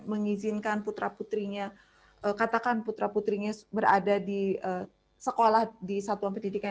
mengizinkan putra putrinya katakan putra putrinya berada di sekolah di satuan pendidikan